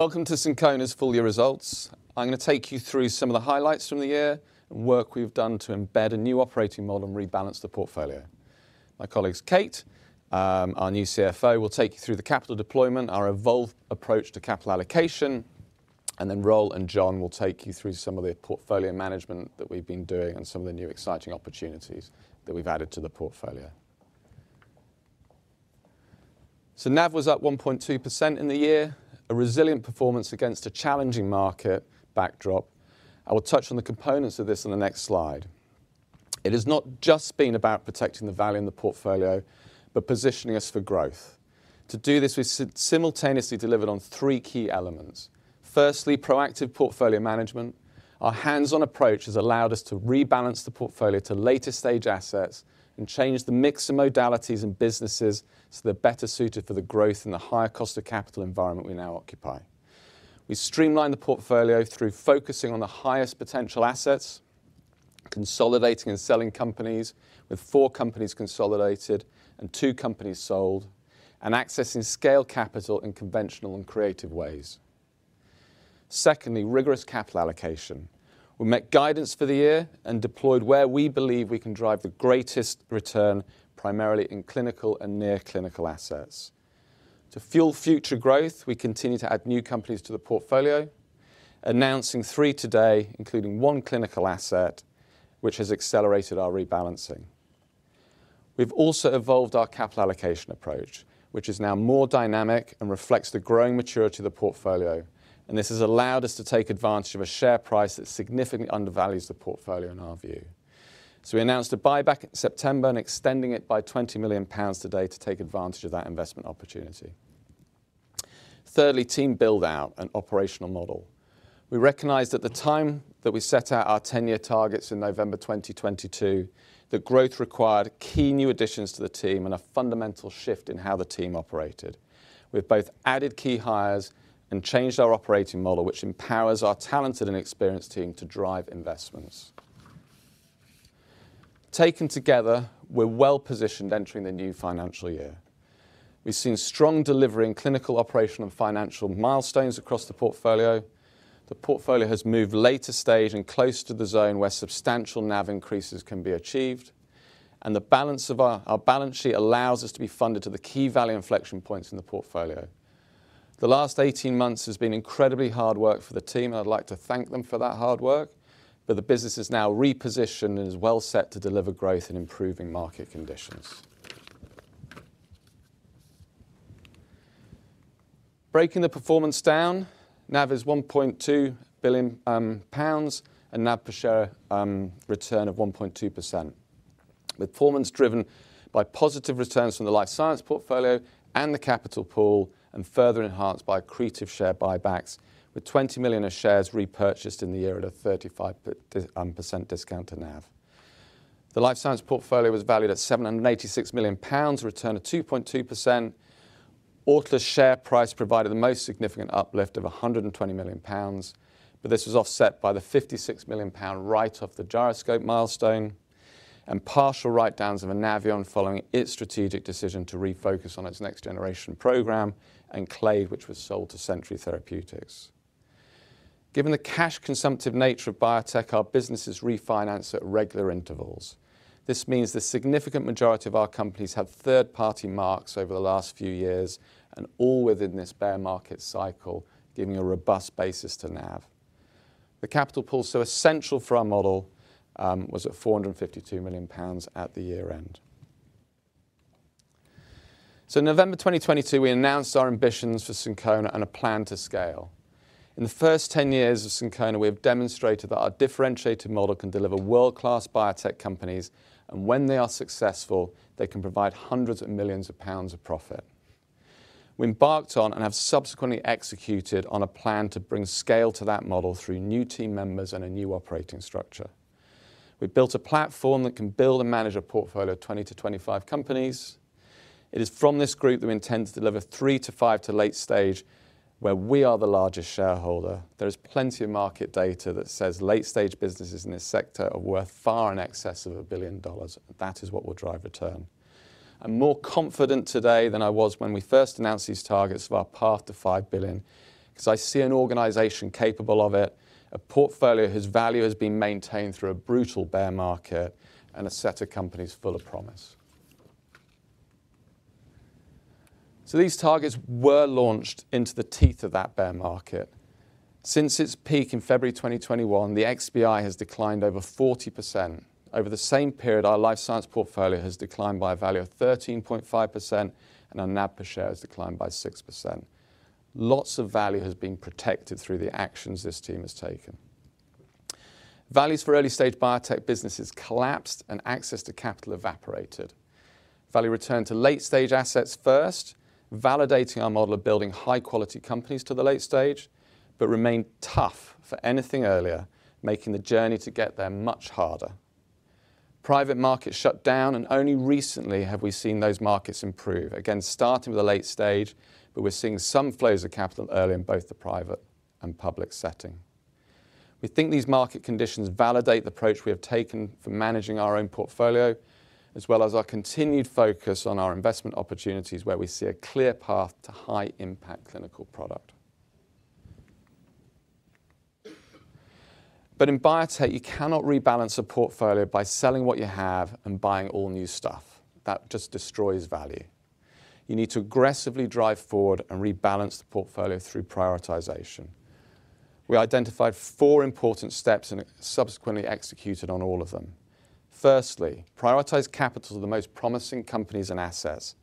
Welcome to Syncona's full year results. I'm going to take you through some of the highlights from the year and work we've done to embed a new operating model and rebalance the portfolio. My colleagues Kate, our new CFO, will take you through the capital deployment, our evolved approach to capital allocation, and then Roel and John will take you through some of the portfolio management that we've been doing and some of the new exciting opportunities that we've added to the portfolio. So NAV was up 1.2% in the year, a resilient performance against a challenging market backdrop. I will touch on the components of this on the next slide. It has not just been about protecting the value in the portfolio, but positioning us for growth. To do this, we simultaneously delivered on three key elements. Firstly, proactive portfolio management. Our hands-on approach has allowed us to rebalance the portfolio to later stage assets and change the mix and modalities in businesses so they're better suited for the growth and the higher cost of capital environment we now occupy. We streamlined the portfolio through focusing on the highest potential assets, consolidating and selling companies, with four companies consolidated and two companies sold, and accessing scale capital in conventional and creative ways. Secondly, rigorous capital allocation. We met guidance for the year and deployed where we believe we can drive the greatest return, primarily in clinical and near-clinical assets. To fuel future growth, we continue to add new companies to the portfolio, announcing three today, including one clinical asset, which has accelerated our rebalancing. We've also evolved our capital allocation approach, which is now more dynamic and reflects the growing maturity of the portfolio, and this has allowed us to take advantage of a share price that significantly undervalues the portfolio in our view. So we announced a buyback in September and extending it by 20 million pounds today to take advantage of that investment opportunity. Thirdly, team build-out and operational model. We recognize that the time that we set out our ten-year targets in November 2022, the growth required key new additions to the team and a fundamental shift in how the team operated. We've both added key hires and changed our operating model, which empowers our talented and experienced team to drive investments. Taken together, we're well positioned entering the new financial year. We've seen strong delivery in clinical, operational, and financial milestones across the portfolio. The portfolio has moved later stage and close to the zone where substantial NAV increases can be achieved, and the balance of our balance sheet allows us to be funded to the key value inflection points in the portfolio. The last 18 months has been incredibly hard work for the team, and I'd like to thank them for that hard work, but the business is now repositioned and is well set to deliver growth in improving market conditions. Breaking the performance down, NAV is 1.2 billion pounds and NAV per share return of 1.2%. Performance driven by positive returns from the life science portfolio and the capital pool and further enhanced by accretive share buybacks, with 20 million of shares repurchased in the year at a 35% discount to NAV. The life science portfolio was valued at 786 million pounds, returned at 2.2%. Autolus's share price provided the most significant uplift of 120 million pounds, but this was offset by the 56 million pound write-off of the Gyroscope milestone and partial write-downs of an Anaveon following its strategic decision to refocus on its next generation program and Clade, which was sold to Century Therapeutics. Given the cash-consumptive nature of biotech, our business is refinanced at regular intervals. This means the significant majority of our companies have third-party marks over the last few years and all within this bear market cycle, giving a robust basis to NAV. The capital pool so essential for our model was at 452 million pounds at the year-end. November 2022, we announced our ambitions for Syncona and a plan to scale. In the first 10 years of Syncona, we have demonstrated that our differentiated model can deliver world-class biotech companies, and when they are successful, they can provide GBP hundreds of millions of profit. We embarked on and have subsequently executed on a plan to bring scale to that model through new team members and a new operating structure. We built a platform that can build and manage a portfolio of 20-25 companies. It is from this group that we intend to deliver 3-5 to late stage, where we are the largest shareholder. There is plenty of market data that says late-stage businesses in this sector are worth far in excess of $1 billion, and that is what will drive return. I'm more confident today than I was when we first announced these targets of our path to 5 billion because I see an organization capable of it, a portfolio whose value has been maintained through a brutal bear market, and a set of companies full of promise. So these targets were launched into the teeth of that bear market. Since its peak in February 2021, the XBI has declined over 40%. Over the same period, our life science portfolio has declined by a value of 13.5%, and our NAV per share has declined by 6%. Lots of value has been protected through the actions this team has taken. Values for early-stage biotech businesses collapsed and access to capital evaporated. Value returned to late-stage assets first, validating our model of building high-quality companies to the late stage, but remained tough for anything earlier, making the journey to get there much harder. Private markets shut down, and only recently have we seen those markets improve, again, starting with the late stage, but we're seeing some flows of capital early in both the private and public setting. We think these market conditions validate the approach we have taken for managing our own portfolio, as well as our continued focus on our investment opportunities where we see a clear path to high-impact clinical product. But in biotech, you cannot rebalance a portfolio by selling what you have and buying all new stuff. That just destroys value. You need to aggressively drive forward and rebalance the portfolio through prioritization. We identified four important steps and subsequently executed on all of them. Firstly, prioritize capital to the most promising companies and assets,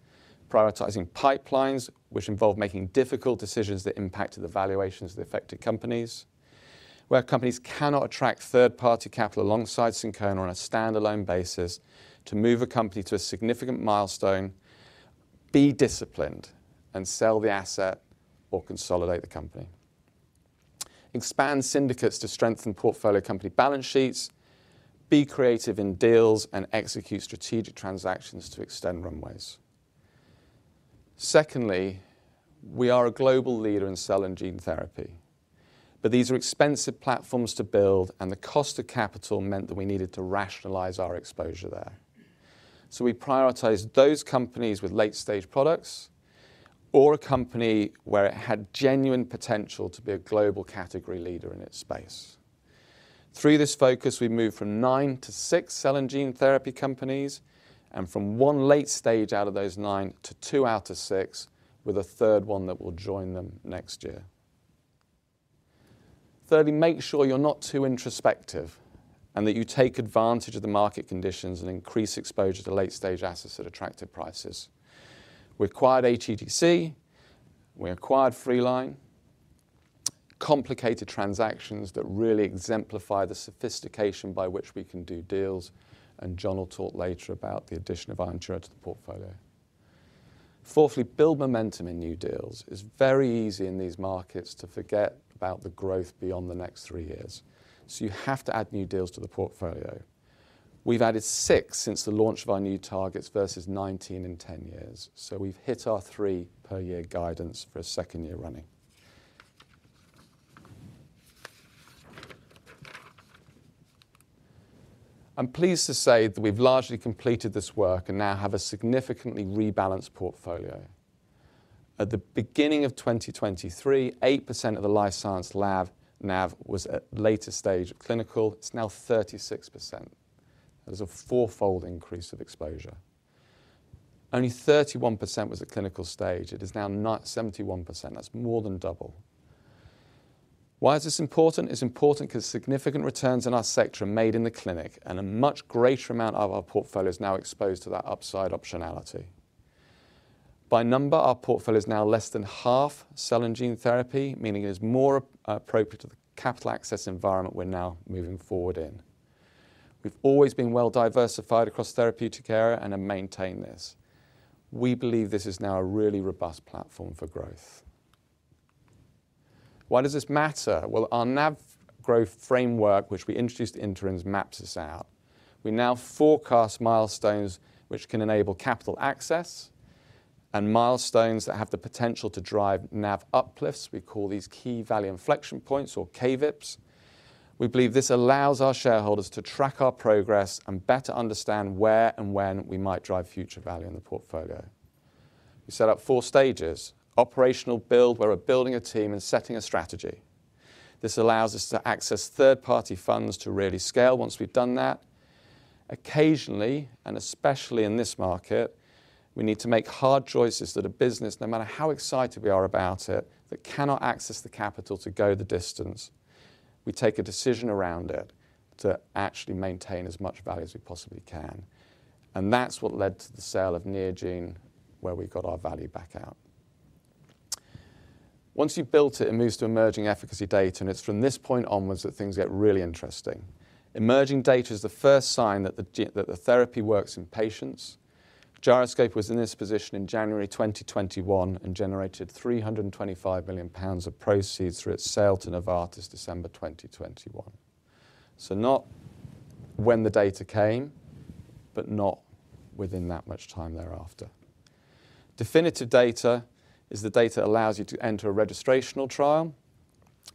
prioritizing pipelines, which involve making difficult decisions that impacted the valuations of the affected companies. Where companies cannot attract third-party capital alongside Syncona on a standalone basis to move a company to a significant milestone, be disciplined and sell the asset or consolidate the company. Expand syndicates to strengthen portfolio company balance sheets, be creative in deals, and execute strategic transactions to extend runways. Secondly, we are a global leader in cell and gene therapy, but these are expensive platforms to build, and the cost of capital meant that we needed to rationalize our exposure there. So we prioritized those companies with late-stage products or a company where it had genuine potential to be a global category leader in its space. Through this focus, we moved from nine to six cell and gene therapy companies and from one late stage out of those nine to two out of six, with a third one that will join them next year. Thirdly, make sure you're not too introspective and that you take advantage of the market conditions and increase exposure to late-stage assets at attractive prices. We acquired AGTC, we acquired Freeline, complicated transactions that really exemplify the sophistication by which we can do deals, and John will talk later about the addition of iOnctura to the portfolio. Fourthly, build momentum in new deals. It's very easy in these markets to forget about the growth beyond the next three years, so you have to add new deals to the portfolio. We've added six since the launch of our new targets versus 19 in 10 years, so we've hit our three per year guidance for a second year running. I'm pleased to say that we've largely completed this work and now have a significantly rebalanced portfolio. At the beginning of 2023, 8% of the life science portfolio NAV was at later-stage clinical. It's now 36%. That is a four-fold increase of exposure. Only 31% was at clinical stage. It is now 71%. That's more than double. Why is this important? It's important because significant returns in our sector are made in the clinic, and a much greater amount of our portfolio is now exposed to that upside optionality. By number, our portfolio is now less than half cell and gene therapy, meaning it is more appropriate to the capital access environment we're now moving forward in. We've always been well diversified across the therapeutic area and have maintained this. We believe this is now a really robust platform for growth. Why does this matter? Well, our NAV growth framework, which we introduced interim, maps us out. We now forecast milestones which can enable capital access and milestones that have the potential to drive NAV uplifts. We call these key value inflection points or KVIPs. We believe this allows our shareholders to track our progress and better understand where and when we might drive future value in the portfolio. We set up four stages: operational build, where we're building a team and setting a strategy. This allows us to access third-party funds to really scale once we've done that. Occasionally, and especially in this market, we need to make hard choices that a business, no matter how excited we are about it, cannot access the capital to go the distance. We take a decision around it to actually maintain as much value as we possibly can. And that's what led to the sale of Neogene where we got our value back out. Once you've built it, it moves to emerging efficacy data, and it's from this point onwards that things get really interesting. Emerging data is the first sign that the therapy works in patients. Gyroscope was in this position in January 2021 and generated 325 million pounds of proceeds through its sale to Novartis December 2021. So not when the data came, but not within that much time thereafter. Definitive data is the data that allows you to enter a registrational trial,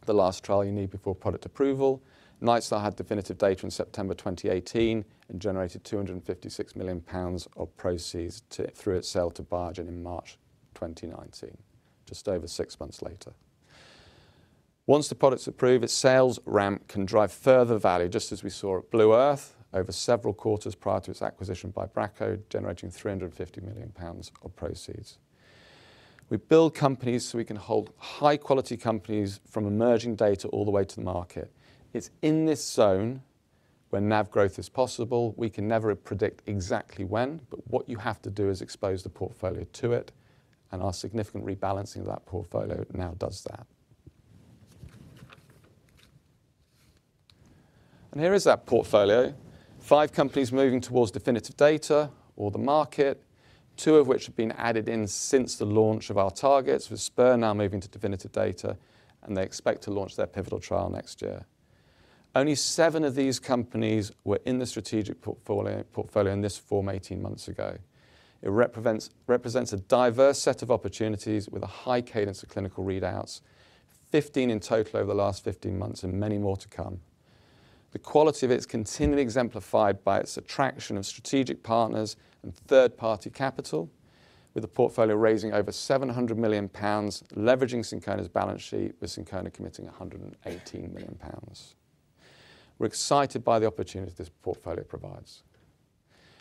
the last trial you need before product approval. Nightstar had definitive data in September 2018 and generated 256 million pounds of proceeds through its sale to Biogen in March 2019, just over six months later. Once the products approve, its sales ramp can drive further value, just as we saw at Blue Earth over several quarters prior to its acquisition by Bracco, generating 350 million pounds of proceeds. We build companies so we can hold high-quality companies from emerging data all the way to the market. It's in this zone where NAV growth is possible. We can never predict exactly when, but what you have to do is expose the portfolio to it, and our significant rebalancing of that portfolio now does that. Here is that portfolio. Five companies moving towards definitive data or the market, two of which have been added in since the launch of our targets, with Spur now moving to definitive data, and they expect to launch their pivotal trial next year. Only seven of these companies were in the strategic portfolio in this form 18 months ago. It represents a diverse set of opportunities with a high cadence of clinical readouts, 15 in total over the last 15 months and many more to come. The quality of it is continually exemplified by its attraction of strategic partners and third-party capital, with the portfolio raising over 700 million pounds, leveraging Syncona's balance sheet, with Syncona committing 118 million pounds. We're excited by the opportunity this portfolio provides.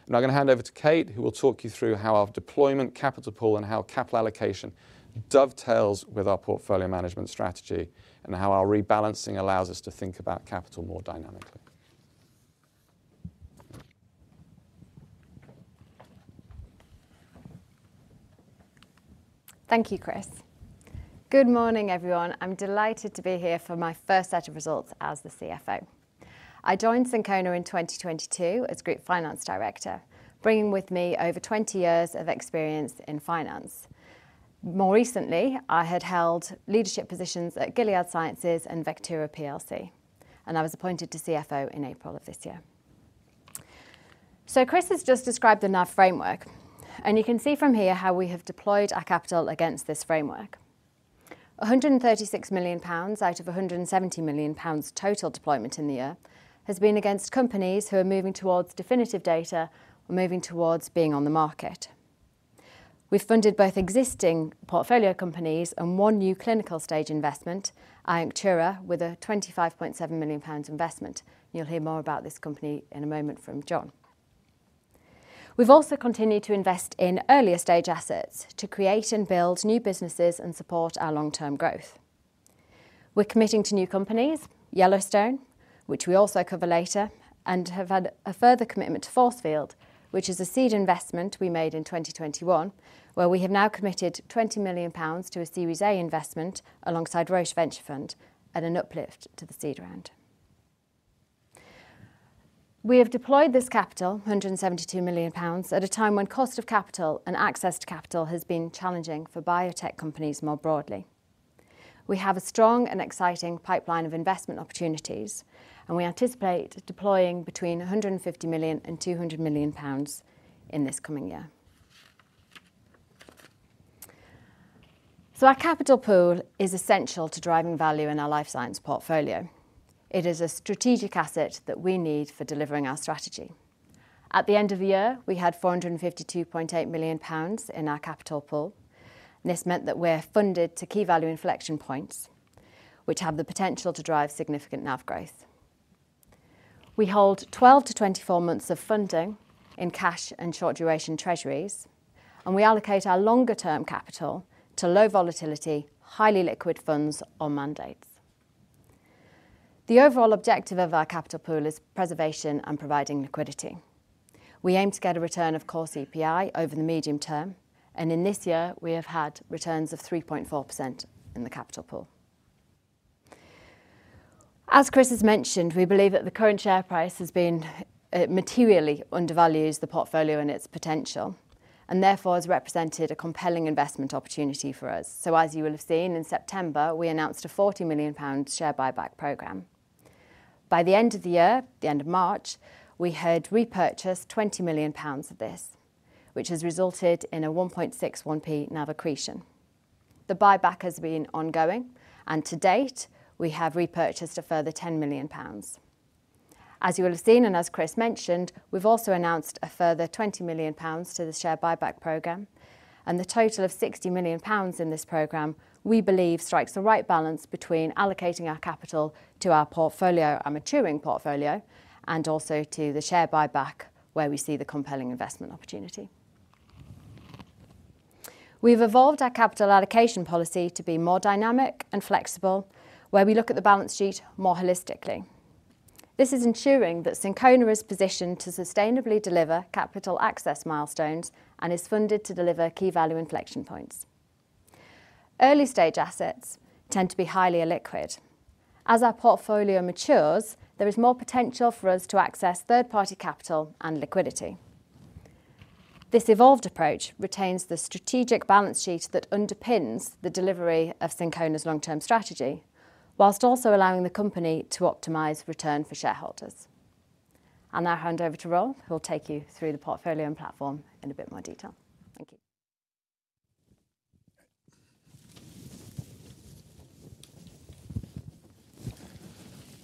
I'm going to hand over to Kate, who will talk you through how our deployment, capital pool, and how capital allocation dovetails with our portfolio management strategy and how our rebalancing allows us to think about capital more dynamically. Thank you, Chris. Good morning, everyone. I'm delighted to be here for my first set of results as the CFO. I joined Syncona in 2022 as Group Finance Director, bringing with me over 20 years of experience in finance. More recently, I had held leadership positions at Gilead Sciences and Vectura PLC, and I was appointed to CFO in April of this year. So Chris has just described the NAV framework, and you can see from here how we have deployed our capital against this framework. 136 million pounds out of 170 million pounds total deployment in the year has been against companies who are moving towards definitive data or moving towards being on the market. We've funded both existing portfolio companies and one new clinical stage investment, iOnctura, with a 25.7 million pounds investment. You'll hear more about this company in a moment from John. We've also continued to invest in earlier stage assets to create and build new businesses and support our long-term growth. We're committing to new companies, Yellowstone, which we also cover later, and have had a further commitment to Forcefield, which is a seed investment we made in 2021, where we have now committed 20 million pounds to a Series A investment alongside Roche Venture Fund and an uplift to the seed round. We have deployed this capital, 172 million pounds, at a time when cost of capital and access to capital has been challenging for biotech companies more broadly. We have a strong and exciting pipeline of investment opportunities, and we anticipate deploying between 150 million and 200 million pounds in this coming year. So our capital pool is essential to driving value in our life science portfolio. It is a strategic asset that we need for delivering our strategy. At the end of the year, we had 452.8 million pounds in our capital pool, and this meant that we're funded to key value inflection points, which have the potential to drive significant NAV growth. We hold 12-24 months of funding in cash and short-duration treasuries, and we allocate our longer-term capital to low volatility, highly liquid funds or mandates. The overall objective of our capital pool is preservation and providing liquidity. We aim to get a return of core CPI over the medium term, and in this year, we have had returns of 3.4% in the capital pool. As Chris has mentioned, we believe that the current share price has been materially undervalued the portfolio and its potential, and therefore has represented a compelling investment opportunity for us. As you will have seen, in September, we announced a 40 million pound share buyback program. By the end of the year, the end of March, we had repurchased 20 million pounds of this, which has resulted in a 1.61p NAV accretion. The buyback has been ongoing, and to date, we have repurchased a further 10 million pounds. As you will have seen, and as Chris mentioned, we've also announced a further 20 million pounds to the share buyback program, and the total of 60 million pounds in this program, we believe, strikes the right balance between allocating our capital to our portfolio, our maturing portfolio, and also to the share buyback where we see the compelling investment opportunity. We've evolved our capital allocation policy to be more dynamic and flexible, where we look at the balance sheet more holistically. This is ensuring that Syncona is positioned to sustainably deliver capital access milestones and is funded to deliver key value inflection points. Early stage assets tend to be highly illiquid. As our portfolio matures, there is more potential for us to access third-party capital and liquidity. This evolved approach retains the strategic balance sheet that underpins the delivery of Syncona's long-term strategy, whilst also allowing the company to optimize return for shareholders. I'll now hand over to Roel, who will take you through the portfolio and platform in a bit more detail. Thank you.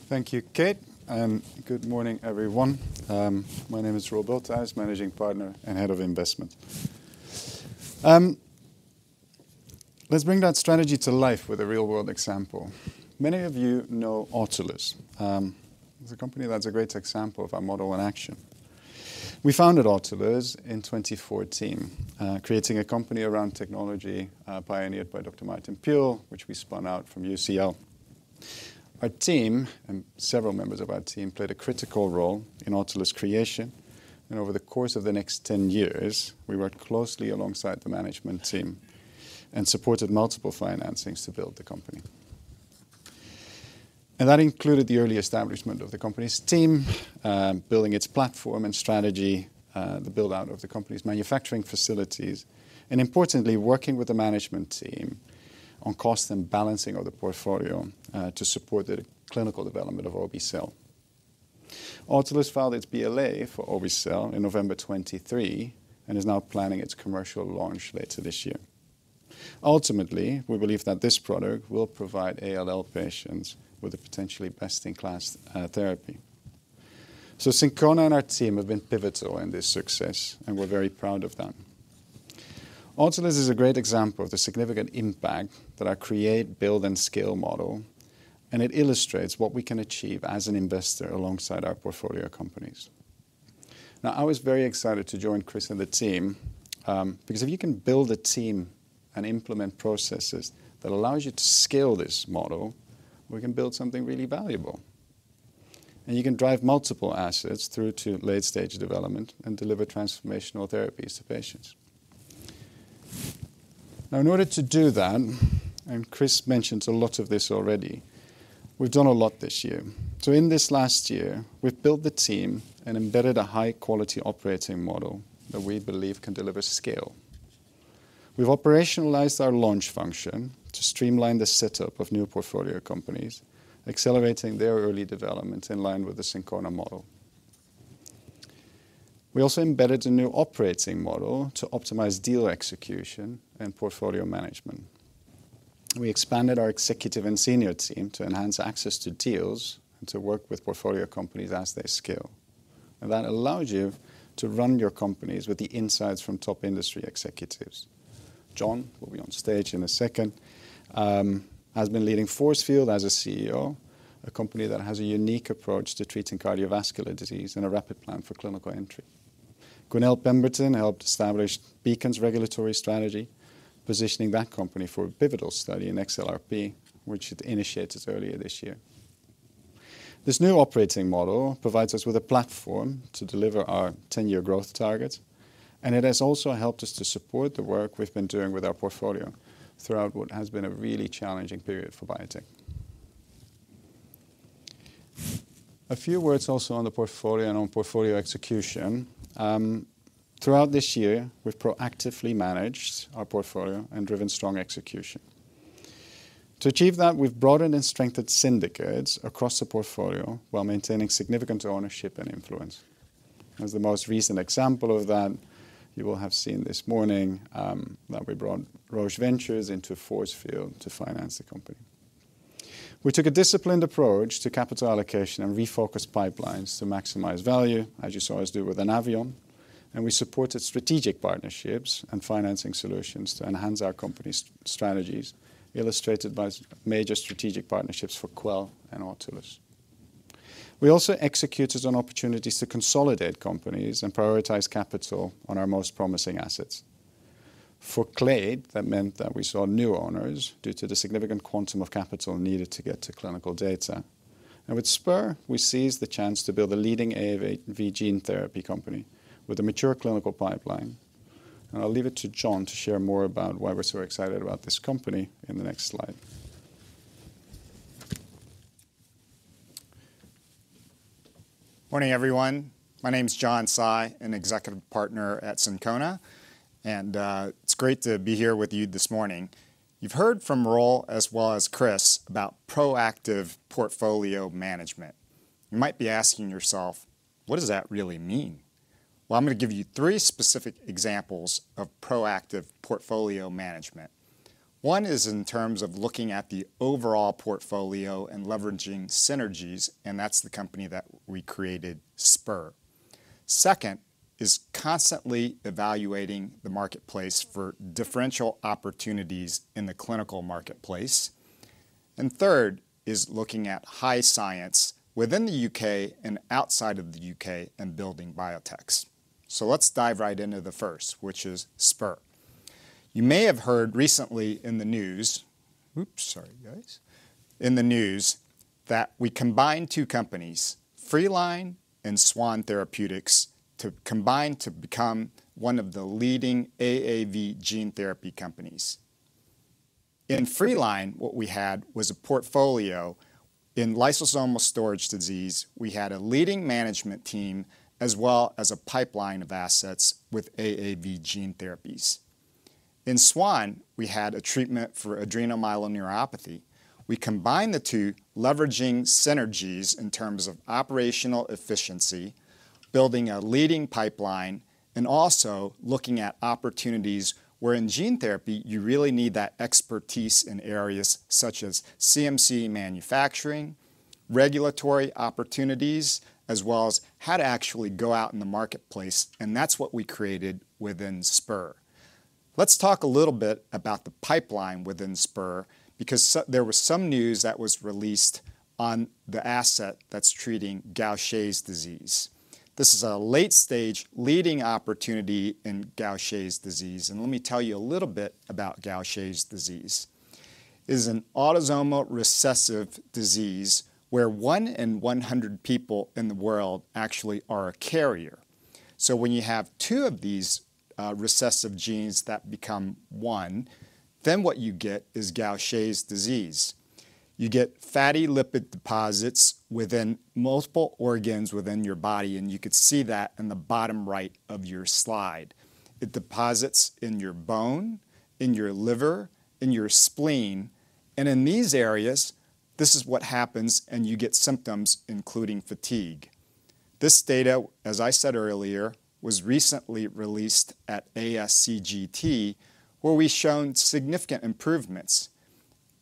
Thank you, Kate. Good morning, everyone. My name is Roel Bulthuis, Managing Partner and Head of Investments. Let's bring that strategy to life with a real-world example. Many of you know Autolus. It's a company that's a great example of our model in action. We founded Autolus in 2014, creating a company around technology pioneered by Dr. Martin Pule, which we spun out from UCL. Our team and several members of our team played a critical role in Autolus's creation, and over the course of the next 10 years, we worked closely alongside the management team and supported multiple financings to build the company. And that included the early establishment of the company's team, building its platform and strategy, the build-out of the company's manufacturing facilities, and importantly, working with the management team on cost and balancing of the portfolio to support the clinical development of obe-cel. Autolus filed its BLA for obe-cel in November 2023 and is now planning its commercial launch later this year. Ultimately, we believe that this product will provide ALL patients with the potentially best-in-class therapy. So Syncona and our team have been pivotal in this success, and we're very proud of that. Autolus is a great example of the significant impact that our create, build, and scale model, and it illustrates what we can achieve as an investor alongside our portfolio companies. Now, I was very excited to join Chris and the team because if you can build a team and implement processes that allow you to scale this model, we can build something really valuable. And you can drive multiple assets through to late-stage development and deliver transformational therapies to patients. Now, in order to do that, and Chris mentioned a lot of this already, we've done a lot this year. So in this last year, we've built the team and embedded a high-quality operating model that we believe can deliver scale. We've operationalized our launch function to streamline the setup of new portfolio companies, accelerating their early development in line with the Syncona model. We also embedded a new operating model to optimize deal execution and portfolio management. We expanded our executive and senior team to enhance access to deals and to work with portfolio companies as they scale. And that allows you to run your companies with the insights from top industry executives. John, who will be on stage in a second, has been leading Forcefield as a CEO, a company that has a unique approach to treating cardiovascular disease and a rapid plan for clinical entry. Gwynneth Pemberton helped establish Beacon's regulatory strategy, positioning that company for a pivotal study in XLRP, which it initiated earlier this year. This new operating model provides us with a platform to deliver our 10-year growth target, and it has also helped us to support the work we've been doing with our portfolio throughout what has been a really challenging period for biotech. A few words also on the portfolio and on portfolio execution. Throughout this year, we've proactively managed our portfolio and driven strong execution. To achieve that, we've broadened and strengthened syndicates across the portfolio while maintaining significant ownership and influence. As the most recent example of that, you will have seen this morning that we brought Roche Venture Fund into Forcefield to finance the company. We took a disciplined approach to capital allocation and refocused pipelines to maximize value, as you saw us do with Anaveon, and we supported strategic partnerships and financing solutions to enhance our company's strategies, illustrated by major strategic partnerships for Quell and Autolus. We also executed on opportunities to consolidate companies and prioritize capital on our most promising assets. For Clade, that meant that we saw new owners due to the significant quantum of capital needed to get to clinical data. With Spur, we seized the chance to build a leading AAV gene therapy company with a mature clinical pipeline. I'll leave it to John to share more about why we're so excited about this company in the next slide. Morning, everyone. My name is John Tsai, an executive partner at Syncona, and it's great to be here with you this morning. You've heard from Roel as well as Chris about proactive portfolio management. You might be asking yourself, what does that really mean? Well, I'm going to give you three specific examples of proactive portfolio management. One is in terms of looking at the overall portfolio and leveraging synergies, and that's the company that we created, Spur. Second is constantly evaluating the marketplace for differential opportunities in the clinical marketplace. And third is looking at high science within the U.K. and outside of the U.K. and building biotechs. So let's dive right into the first, which is Spur. You may have heard recently in the news, oops, sorry, guys, in the news that we combined two companies, Freeline and SwanBio Therapeutics, to combine to become one of the leading AAV gene therapy companies. In Freeline, what we had was a portfolio in lysosomal storage disease. We had a leading management team as well as a pipeline of assets with AAV gene therapies. In Swan, we had a treatment for adrenomyeloneuropathy. We combined the two, leveraging synergies in terms of operational efficiency, building a leading pipeline, and also looking at opportunities where in gene therapy you really need that expertise in areas such as CMC manufacturing, regulatory opportunities, as well as how to actually go out in the marketplace. And that's what we created within Spur. Let's talk a little bit about the pipeline within Spur because there was some news that was released on the asset that's treating Gaucher disease. This is a late-stage leading opportunity in Gaucher disease. Let me tell you a little bit about Gaucher disease. It is an autosomal recessive disease where 1 in 100 people in the world actually are a carrier. So when you have two of these recessive genes that become one, then what you get is Gaucher disease. You get fatty lipid deposits within multiple organs within your body, and you could see that in the bottom right of your slide. It deposits in your bone, in your liver, in your spleen. In these areas, this is what happens, and you get symptoms, including fatigue. This data, as I said earlier, was recently released at ASGCT, where we've shown significant improvements.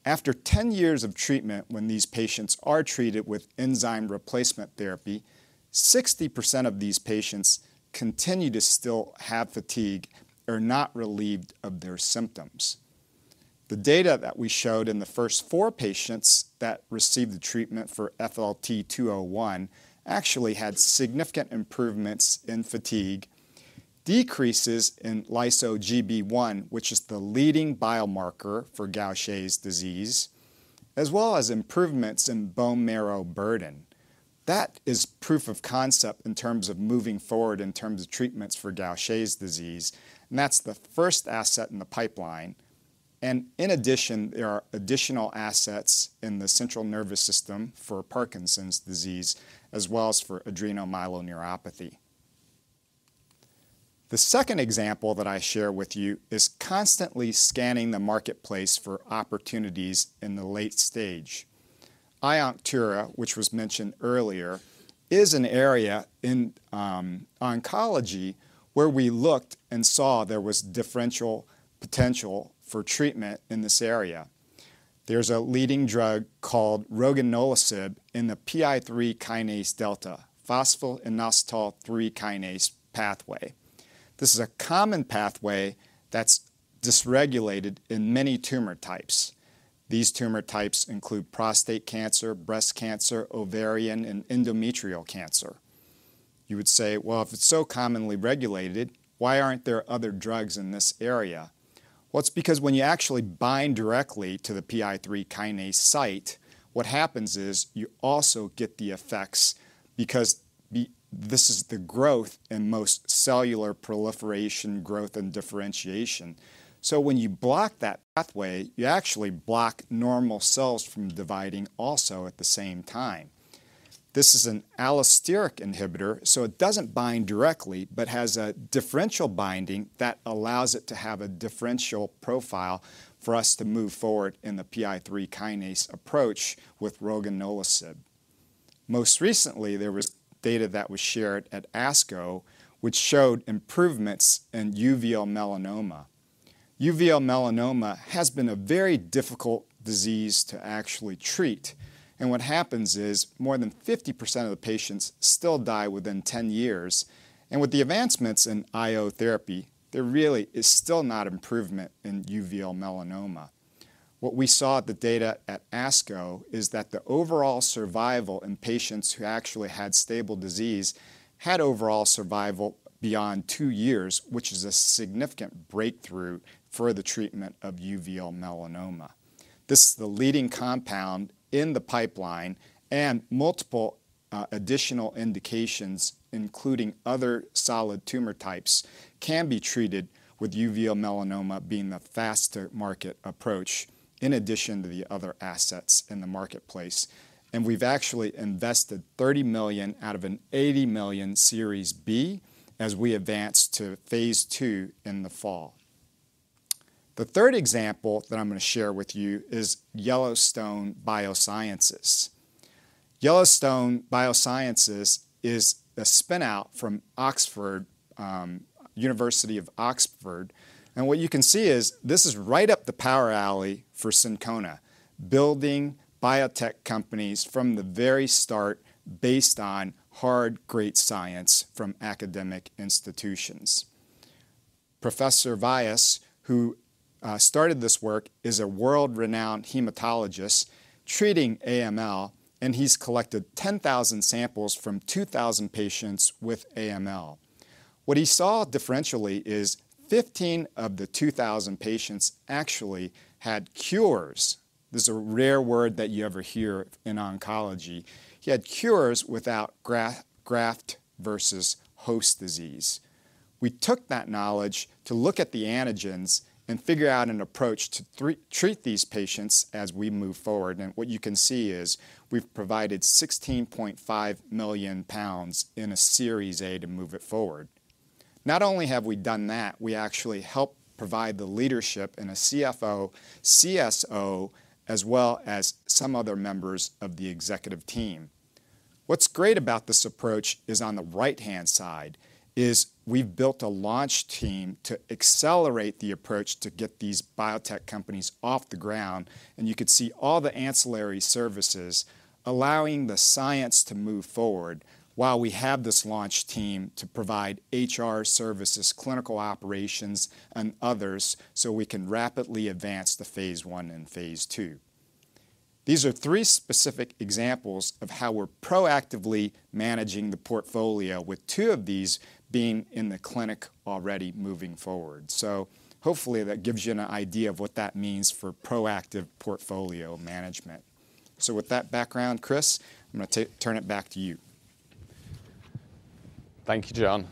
After 10 years of treatment, when these patients are treated with enzyme replacement therapy, 60% of these patients continue to still have fatigue or not relieved of their symptoms. The data that we showed in the first four patients that received the treatment for FLT201 actually had significant improvements in fatigue, decreases in lyso-Gb1, which is the leading biomarker for Gaucher's disease, as well as improvements in bone marrow burden. That is proof of concept in terms of moving forward in terms of treatments for Gaucher's disease. That's the first asset in the pipeline. In addition, there are additional assets in the central nervous system for Parkinson's disease as well as for adrenomyeloneuropathy. The second example that I share with you is constantly scanning the marketplace for opportunities in the late stage. iOnctura, which was mentioned earlier, is an area in oncology where we looked and saw there was differential potential for treatment in this area. There's a leading drug called roginolisib in the PI3 kinase delta, phosphoinositide-3 kinase pathway. This is a common pathway that's dysregulated in many tumor types. These tumor types include prostate cancer, breast cancer, ovarian, and endometrial cancer. You would say, well, if it's so commonly regulated, why aren't there other drugs in this area? Well, it's because when you actually bind directly to the PI3 kinase site, what happens is you also get the effects because this is the growth and most cellular proliferation growth and differentiation. So when you block that pathway, you actually block normal cells from dividing also at the same time. This is an allosteric inhibitor, so it doesn't bind directly but has a differential binding that allows it to have a differential profile for us to move forward in the PI3 kinase approach with roginolisib. Most recently, there was data that was shared at ASCO, which showed improvements in uveal melanoma. Uveal melanoma has been a very difficult disease to actually treat. What happens is more than 50% of the patients still die within 10 years. With the advancements in IO therapy, there really is still not improvement in uveal melanoma. What we saw at the data at ASCO is that the overall survival in patients who actually had stable disease had overall survival beyond two years, which is a significant breakthrough for the treatment of uveal melanoma. This is the leading compound in the pipeline, and multiple additional indications, including other solid tumor types, can be treated with uveal melanoma being the faster market approach in addition to the other assets in the marketplace. We've actually invested 30 million out of a 80 million Series B as we advance to phase II in the fall. The third example that I'm going to share with you is Yellowstone Biosciences. Yellowstone Biosciences is a spinout from University of Oxford. And what you can see is this is right up the power alley for Syncona, building biotech companies from the very start based on hard, great science from academic institutions. Professor Vyas, who started this work, is a world-renowned hematologist treating AML, and he's collected 10,000 samples from 2,000 patients with AML. What he saw differentially is 15 of the 2,000 patients actually had cures. This is a rare word that you ever hear in oncology. He had cures without graft versus host disease. We took that knowledge to look at the antigens and figure out an approach to treat these patients as we move forward. And what you can see is we've provided 16.5 million pounds in a Series A to move it forward. Not only have we done that, we actually helped provide the leadership and a CFO, CSO, as well as some other members of the executive team. What's great about this approach is on the right-hand side is we've built a launch team to accelerate the approach to get these biotech companies off the ground. You could see all the ancillary services allowing the science to move forward while we have this launch team to provide HR services, clinical operations, and others so we can rapidly advance to phase I and phase II. These are three specific examples of how we're proactively managing the portfolio, with two of these being in the clinic already moving forward. Hopefully that gives you an idea of what that means for proactive portfolio management. With that background, Chris, I'm going to turn it back to you. Thank you, John.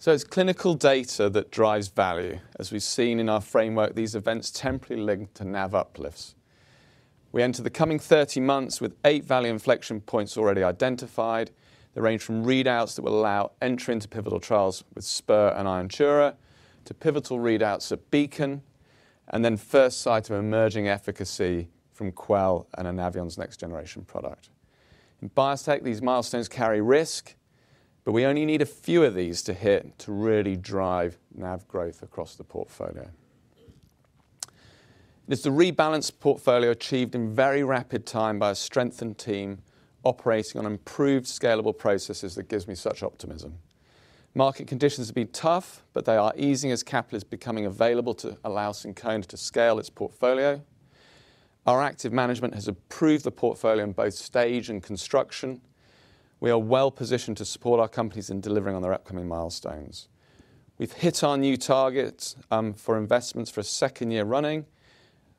So it's clinical data that drives value. As we've seen in our framework, these events temporarily link to NAV uplifts. We enter the coming 30 months with eight value inflection points already identified. They range from readouts that will allow entry into pivotal trials with Spur and iOnctura to pivotal readouts at Beacon, and then first sight of emerging efficacy from Quell and Anaveon's next-generation product. In biotech, these milestones carry risk, but we only need a few of these to hit to really drive NAV growth across the portfolio. It's a rebalanced portfolio achieved in very rapid time by a strengthened team operating on improved scalable processes that gives me such optimism. Market conditions have been tough, but they are easing as capital is becoming available to allow Syncona to scale its portfolio. Our active management has improved the portfolio in both stage and construction. We are well positioned to support our companies in delivering on their upcoming milestones. We've hit our new targets for investments for a second year running.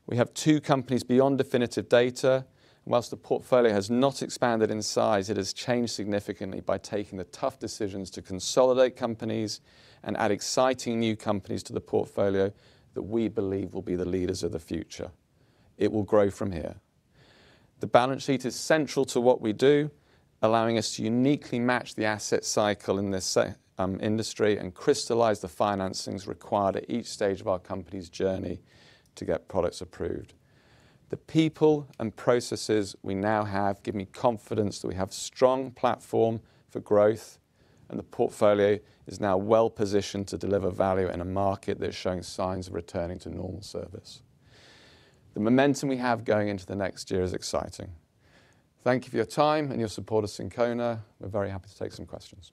We have two companies beyond definitive data. While the portfolio has not expanded in size, it has changed significantly by taking the tough decisions to consolidate companies and add exciting new companies to the portfolio that we believe will be the leaders of the future. It will grow from here. The balance sheet is central to what we do, allowing us to uniquely match the asset cycle in this industry and crystallize the financings required at each stage of our company's journey to get products approved. The people and processes we now have give me confidence that we have a strong platform for growth, and the portfolio is now well positioned to deliver value in a market that is showing signs of returning to normal service. The momentum we have going into the next year is exciting. Thank you for your time and your support at Syncona. We're very happy to take some questions.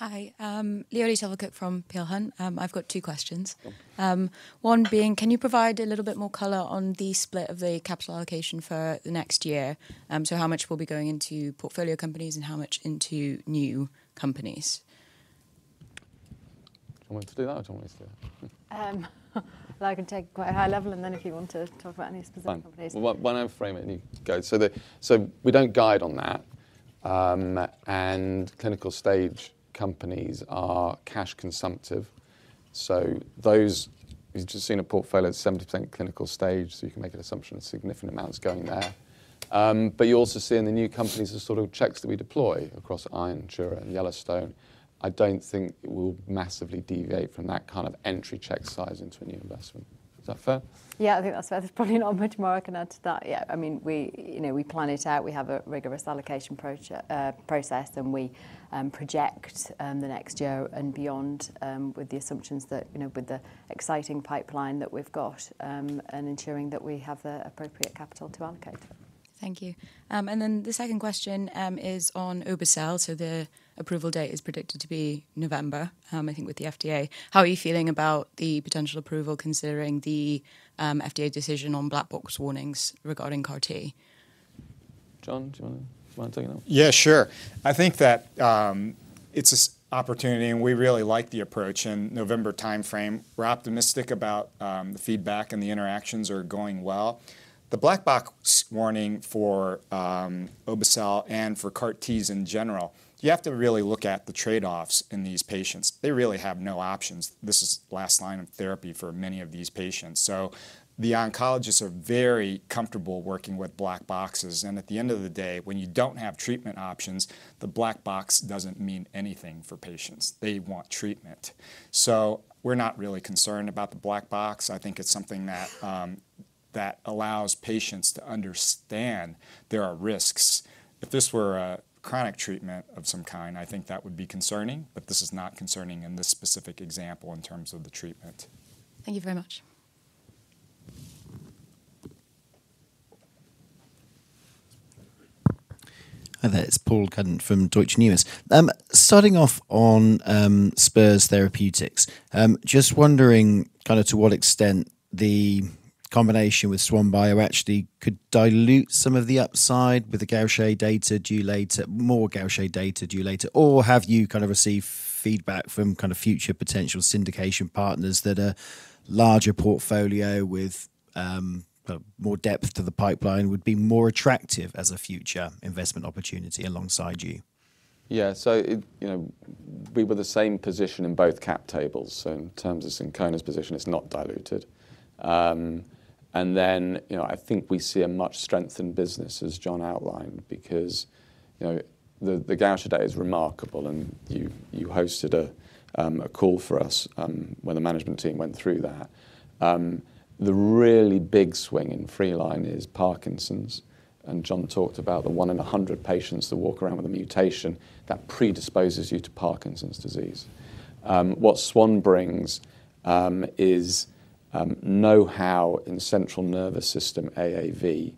Hi, Miles Dixon from Peel Hunt. I've got two questions. One being, can you provide a little bit more color on the split of the capital allocation for the next year? So how much will be going into portfolio companies and how much into new companies? Do you want me to do that? Well, I can take quite a high level, and then if you want to talk about any specific companies. Why don't you frame it and you go? So we don't guide on that. Clinical stage companies are cash consumptive. So those you've just seen a portfolio at 70% clinical stage, so you can make an assumption of significant amounts going there. But you also see in the new companies the sort of checks that we deploy across iOnctura and Yellowstone. I don't think it will massively deviate from that kind of entry check size into a new investment. Is that fair? Yeah, I think that's fair. There's probably not much more I can add to that yet. I mean, we plan it out. We have a rigorous allocation process, and we project the next year and beyond with the assumptions that with the exciting pipeline that we've got and ensuring that we have the appropriate capital to allocate. Thank you. Then the second question is on obe-cel. So the approval date is predicted to be November, I think, with the FDA. How are you feeling about the potential approval considering the FDA decision on black box warnings regarding CAR-T? John, do you want to take it now? Yeah, sure. I think that it's an opportunity, and we really like the approach and November timeframe. We're optimistic about the feedback and the interactions are going well. The black box warning for obe-cel and for CAR-Ts in general, you have to really look at the trade-offs in these patients. They really have no options. This is the last line of therapy for many of these patients. So the oncologists are very comfortable working with black boxes. And at the end of the day, when you don't have treatment options, the black box doesn't mean anything for patients. They want treatment. So we're not really concerned about the black box. I think it's something that allows patients to understand there are risks. If this were a chronic treatment of some kind, I think that would be concerning, but this is not concerning in this specific example in terms of the treatment. Thank you very much. That's Paul Cuddon from Deutsche Numis. Starting off on Spur Therapeutics, just wondering kind of to what extent the combination with SwanBio actually could dilute some of the upside with the Gaucher data due later, more Gaucher data due later, or have you kind of received feedback from kind of future potential syndication partners that a larger portfolio with more depth to the pipeline would be more attractive as a future investment opportunity alongside you? Yeah, so we were the same position in both cap tables. So in terms of Syncona's position, it's not diluted. And then I think we see a much strengthened business, as John outlined, because the Gaucher data is remarkable. And you hosted a call for us when the management team went through that. The really big swing in Freeline is Parkinson's. And John talked about the 1 in 100 patients that walk around with a mutation that predisposes you to Parkinson's disease. What Swan brings is know-how in central nervous system, AAV.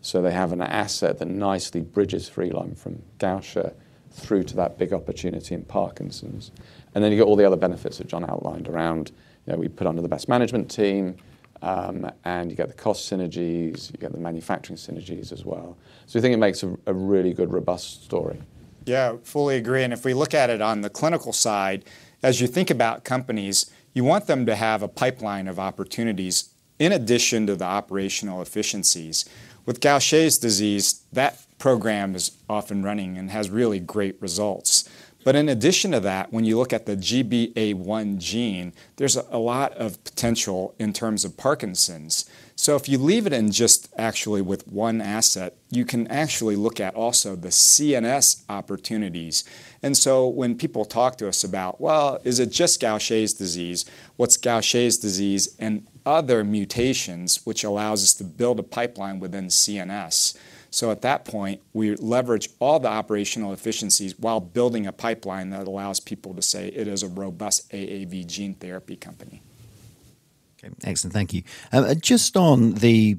So they have an asset that nicely bridges Freeline from Gaucher through to that big opportunity in Parkinson's. And then you get all the other benefits that John outlined around we put under the best management team, and you get the cost synergies, you get the manufacturing synergies as well. So I think it makes a really good, robust story. Yeah, fully agree. And if we look at it on the clinical side, as you think about companies, you want them to have a pipeline of opportunities in addition to the operational efficiencies. With Gaucher's disease, that program is often running and has really great results. But in addition to that, when you look at the GBA1 gene, there's a lot of potential in terms of Parkinson's. So if you leave it in just actually with one asset, you can actually look at also the CNS opportunities. And so when people talk to us about, well, is it just Gaucher's disease? What's Gaucher's disease and other mutations, which allows us to build a pipeline within CNS? So at that point, we leverage all the operational efficiencies while building a pipeline that allows people to say it is a robust AAV gene therapy company. Excellent. Thank you. Just on the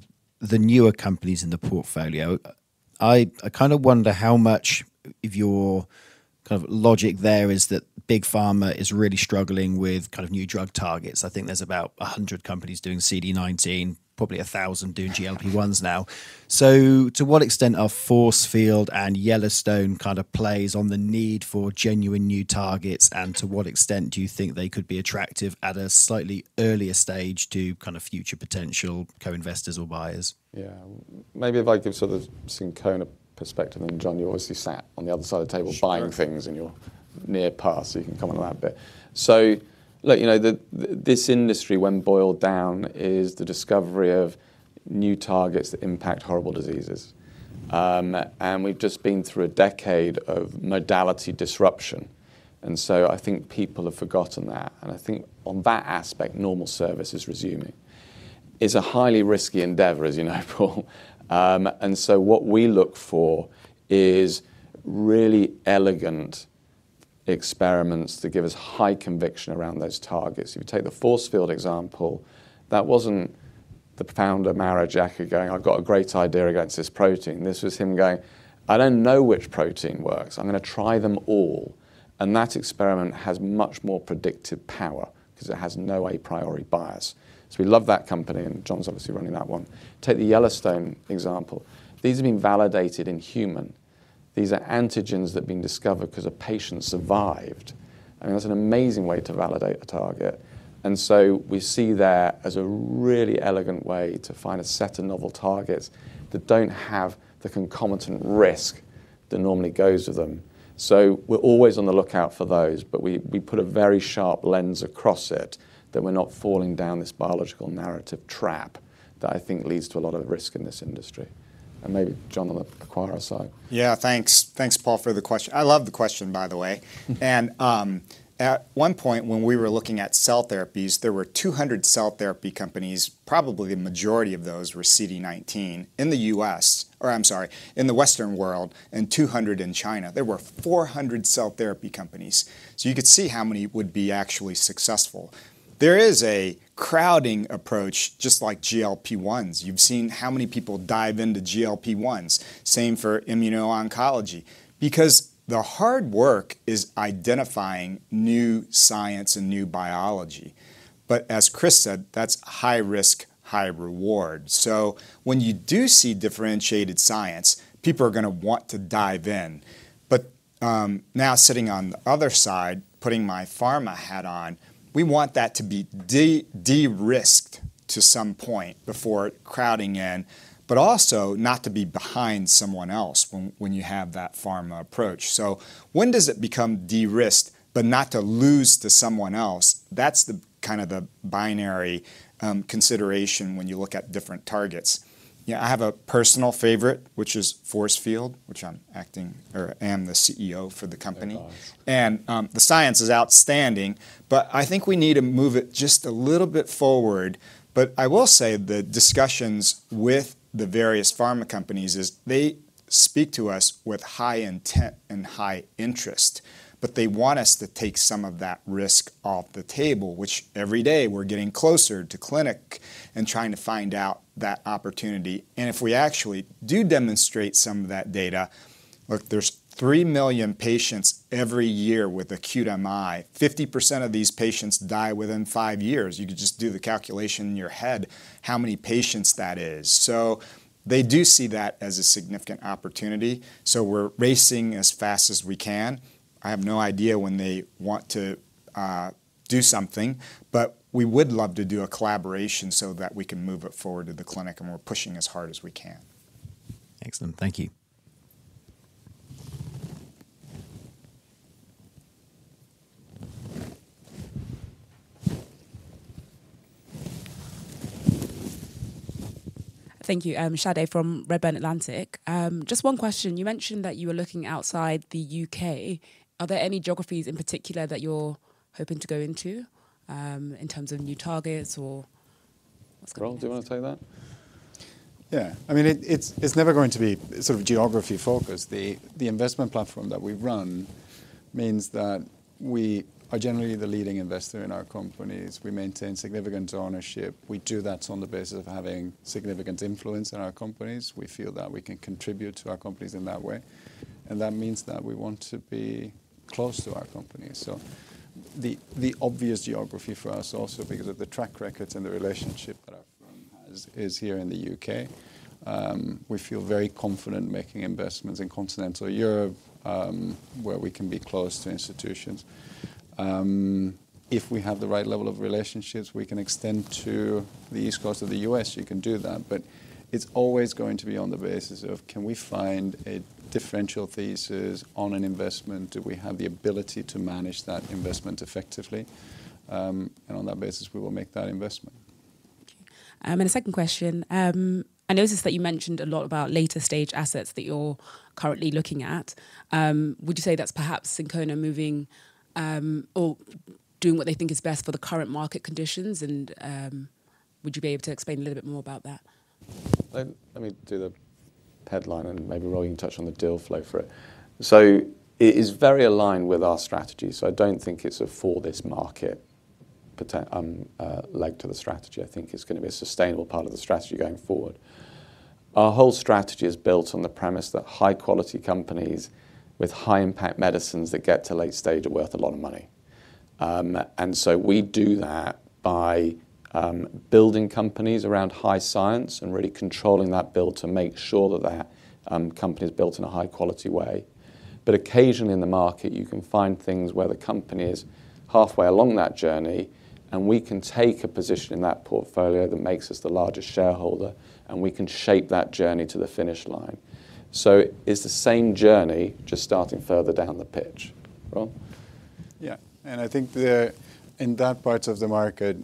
newer companies in the portfolio, I kind of wonder how much of your kind of logic there is that Big Pharma is really struggling with kind of new drug targets. I think there's about 100 companies doing CD19, probably 1,000 doing GLP-1s now. So to what extent are Forcefield and Yellowstone kind of plays on the need for genuine new targets, and to what extent do you think they could be attractive at a slightly earlier stage to kind of future potential co-investors or buyers? Yeah, maybe if I give sort of Syncona perspective, and John, you obviously sat on the other side of the table buying things in your near past, so you can comment on that a bit. So look, this industry, when boiled down, is the discovery of new targets that impact horrible diseases. And we've just been through a decade of modality disruption. And so I think people have forgotten that. And I think on that aspect, normal service is resuming. It's a highly risky endeavor, as you know, Paul. And so what we look for is really elegant experiments that give us high conviction around those targets. If you take the Forcefield example, that wasn't the founder, Mauro Giacca, going, "I've got a great idea against this protein." This was him going, "I don't know which protein works. I'm going to try them all." And that experiment has much more predictive power because it has no a priori bias. So we love that company, and John's obviously running that one. Take the Yellowstone example. These have been validated in human. These are antigens that have been discovered because a patient survived. I mean, that's an amazing way to validate a target. And so we see that as a really elegant way to find a set of novel targets that don't have the concomitant risk that normally goes with them. So we're always on the lookout for those, but we put a very sharp lens across it that we're not falling down this biological narrative trap that I think leads to a lot of risk in this industry. And maybe John on the acquirer side. Yeah, thanks, Paul, for the question. I love the question, by the way. And at one point, when we were looking at cell therapies, there were 200 cell therapy companies, probably the majority of those were CD19 in the U.S., or I'm sorry, in the Western world, and 200 in China. There were 400 cell therapy companies. So you could see how many would be actually successful. There is a crowding approach, just like GLP-1s. You've seen how many people dive into GLP-1s. Same for immuno-oncology, because the hard work is identifying new science and new biology. But as Chris said, that's high risk, high reward. So when you do see differentiated science, people are going to want to dive in. But now, sitting on the other side, putting my pharma hat on, we want that to be de-risked to some point before crowding in, but also not to be behind someone else when you have that pharma approach. So when does it become de-risked, but not to lose to someone else? That's kind of the binary consideration when you look at different targets. I have a personal favorite, which is Forcefield, which I'm acting or am the CEO for the company. And the science is outstanding, but I think we need to move it just a little bit forward. But I will say the discussions with the various pharma companies is they speak to us with high intent and high interest, but they want us to take some of that risk off the table, which every day we're getting closer to clinic and trying to find out that opportunity. If we actually do demonstrate some of that data, look, there's 3 million patients every year with acute MI. 50% of these patients die within five years. You could just do the calculation in your head how many patients that is. So they do see that as a significant opportunity. So we're racing as fast as we can. I have no idea when they want to do something, but we would love to do a collaboration so that we can move it forward to the clinic, and we're pushing as hard as we can. Excellent. Thank you. Thank you, Jade from Redburn Atlantic. Just one question. You mentioned that you were looking outside the U.K. Are there any geographies in particular that you're hoping to go into in terms of new targets or what's going on? Ron, do you want to take that? Yeah, I mean, it's never going to be sort of geography-focused. The investment platform that we run means that we are generally the leading investor in our companies. We maintain significant ownership. We do that on the basis of having significant influence in our companies. We feel that we can contribute to our companies in that way. And that means that we want to be close to our companies. So the obvious geography for us also, because of the track records and the relationship that our firm has, is here in the U.K. We feel very confident making investments in continental Europe, where we can be close to institutions. If we have the right level of relationships, we can extend to the East Coast of the U.S. You can do that. But it's always going to be on the basis of, can we find a differential thesis on an investment? Do we have the ability to manage that investment effectively? And on that basis, we will make that investment. A second question. I noticed that you mentioned a lot about later stage assets that you're currently looking at. Would you say that's perhaps Syncona moving or doing what they think is best for the current market conditions? Would you be able to explain a little bit more about that? Let me do the headline and maybe Rowan can touch on the deal flow for it. So it is very aligned with our strategy. So I don't think it's a foray into this market-led strategy. I think it's going to be a sustainable part of the strategy going forward. Our whole strategy is built on the premise that high-quality companies with high-impact medicines that get to late stage are worth a lot of money. And so we do that by building companies around high science and really controlling that build to make sure that that company is built in a high-quality way. But occasionally in the market, you can find things where the company is halfway along that journey, and we can take a position in that portfolio that makes us the largest shareholder, and we can shape that journey to the finish line. It's the same journey just starting further down the pitch. Ron. Yeah, and I think in that part of the market,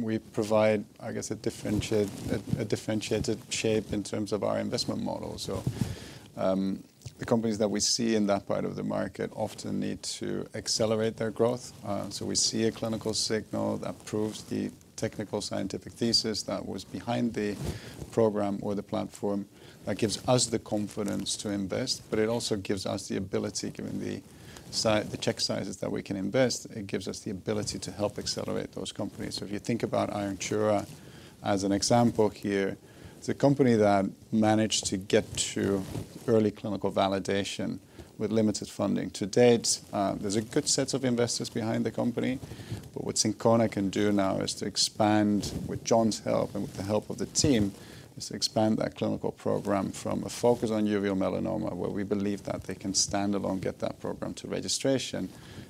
we provide, I guess, a differentiated shape in terms of our investment model. So the companies that we see in that part of the market often need to accelerate their growth. So we see a clinical signal that proves the technical scientific thesis that was behind the program or the platform that gives us the confidence to invest. But it also gives us the ability, given the check sizes that we can invest, it gives us the ability to help accelerate those companies. So if you think about iOnctura as an example here, it's a company that managed to get to early clinical validation with limited funding. To date, there's a good set of investors behind the company. But what Syncona can do now is to expand, with John's help and with the help of the team, is to expand that clinical program from a focus on Uveal Melanoma, where we believe that they can stand alone, get that program to registration,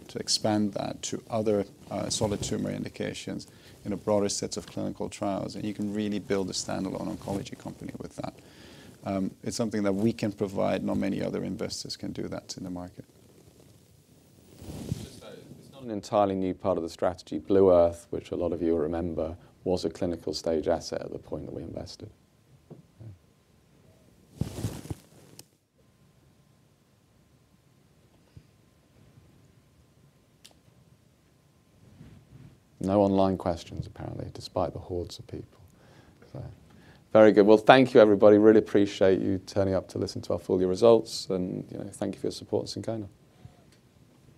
to expand that to other solid tumor indications in a broader set of clinical trials. And you can really build a standalone oncology company with that. It's something that we can provide. Not many other investors can do that in the market. It's not an entirely new part of the strategy. Blue Earth, which a lot of you will remember, was a clinical stage asset at the point that we invested. No online questions, apparently, despite the hordes of people. Very good. Well, thank you, everybody. Really appreciate you turning up to listen to our full year results. Thank you for your support at Syncona.